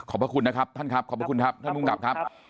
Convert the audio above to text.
พระคุณนะครับท่านครับขอบพระคุณครับท่านภูมิกับครับ